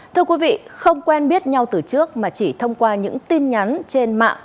thưa quý vị không quen biết nhau từ trước mà chỉ thông qua những tin nhắn trên mạng